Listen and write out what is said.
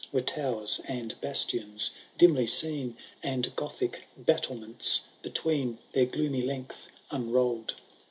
Were towers and bastions dimly seen. And Gothic battlements between Their gloomy length onroli'd.